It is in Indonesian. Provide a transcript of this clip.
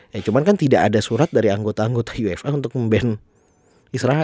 ya cuman kan tidak ada surat dari anggota anggota ufa untuk mem ban israel